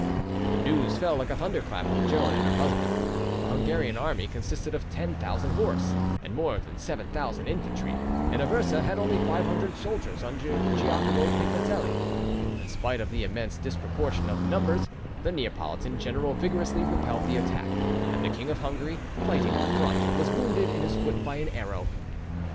The news fell like a thunder clap on Joan and her husband. The Hungarian army consisted of 10,000 horse and more than 7000 infantry, and Aversa had only 500 soldiers under Giacomo Pignatelli. In spite of the immense disproportion of the numbers, the Neapolitan general vigorously repelled the attack; and the King of Hungary, fighting in the front, was wounded in his foot by an arrow.